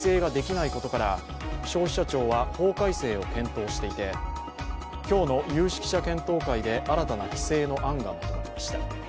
こうしたステマは今の景品表示法では規制ができないことから消費者庁は法改正を検討していて今日の有識者検討会で新たな規制の案がまとまりました。